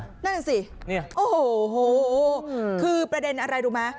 นั่นน่ะสิโอ้โหคือประเด็นอะไรรู้ไหม